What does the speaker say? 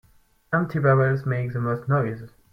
Empty barrels make the most noise.